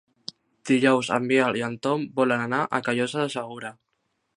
Dijous en Biel i en Tom volen anar a Callosa de Segura.